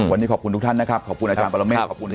วันนี้ขอบคุณทุกท่านนะครับขอบคุณอาจารย์ปรเมฆขอบคุณครับ